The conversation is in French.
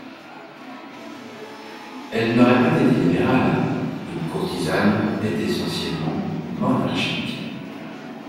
Elle n’aurait pas été libérale, une courtisane est essentiellement monarchique.